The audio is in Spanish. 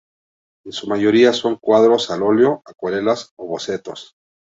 En su mayoría son cuadros al óleo, acuarelas o bocetos.